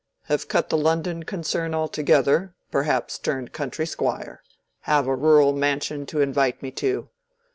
—have cut the London concern altogether—perhaps turned country squire—have a rural mansion to invite me to.